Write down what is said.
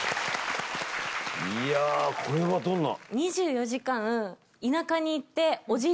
いやこれはどんな？